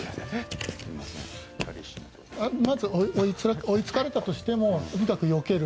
まず、追いつかれたとしてもとにかくよける。